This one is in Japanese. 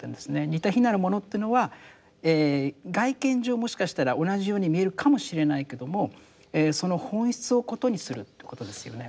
似て非なるものっていうのは外見上もしかしたら同じように見えるかもしれないけどもその本質を異にするってことですよね。